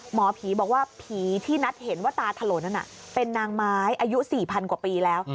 หมอผีบอกว่าผีที่นัทเห็นว่าตาถล่นั้นเป็นนางไม้อายุ๔๐๐กว่าปีแล้ว